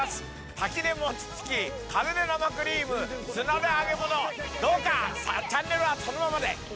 滝で餅つき、で生クリーム、砂で揚げ物、どうかチャンネルはそのままで。